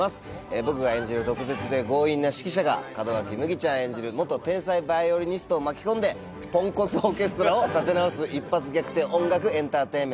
僕が演じる毒舌で強引な指揮者が門脇麦ちゃん演じる天才ヴァイオリニストを巻き込んでぽんこつオーケストラを立て直す一発逆転音楽エンターテインメントです。